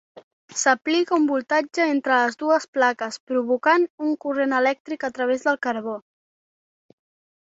S'aplica un voltatge entre les dues plaques, provocant un corrent elèctric a través del carbó.